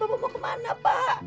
papa mau ke mana pak